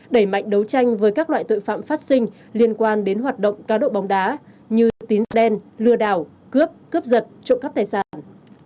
đẩy mạnh đấu tranh với các loại tội phạm phát sinh liên quan đến hoạt động cá độ bóng đá như tín sen lừa đảo cướp cướp giật trộm cắp tài sản